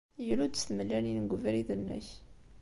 Glu-d s tmellalin deg ubrid-nnek.